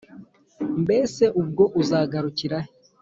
mbese ubwo uzagarukira he?!